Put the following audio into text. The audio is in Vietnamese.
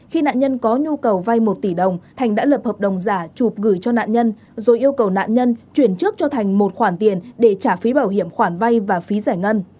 khi nạn nhân có nhu cầu vay một tỷ đồng thành đã lập hợp đồng giả chụp gửi cho nạn nhân rồi yêu cầu nạn nhân chuyển trước cho thành một khoản tiền để trả phí bảo hiểm khoản vay và phí giải ngân